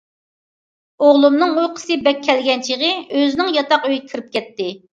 ئوغلۇمنىڭ ئۇيقۇسى بەك كەلگەن چېغى، ئۆزىنىڭ ياتاق ئۆيىگە كىرىپ كەتتى.